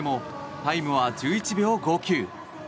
タイムは１１秒５９。